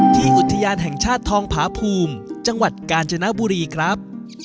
อุทยานแห่งชาติทองผาภูมิจังหวัดกาญจนบุรีครับ